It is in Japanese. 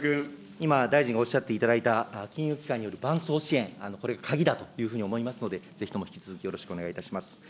今、大臣がおっしゃっていただいた金融機関による伴走支援、これ、鍵だというふうに思いますので、ぜひとも引き続きよろしくお願いいたします。